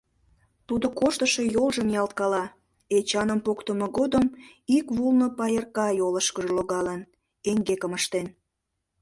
Тудо корштышо йолжым ниялткала, Эчаным поктымо годым ик вулно пайырка йолышкыжо логалын, эҥгекым ыштен.